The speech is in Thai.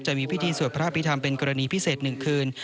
จะมีพิธีสวดพระพิธรรมเป็นกรณีพิเศษ๑คืน